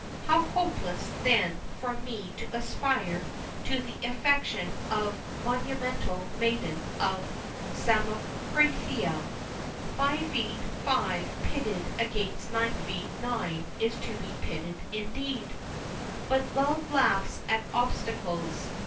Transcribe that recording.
How hopeless, then, for me to aspire to the affection of the Monumental Maiden of Samothracia! Five feet five pitted against nine feet nine is to be pitted indeed! But love laughs at obstacles.